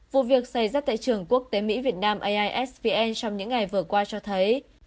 vụ việc xảy ra tại trường quốc tế mỹ việt nam aisvn trong những ngày vừa qua cho thấy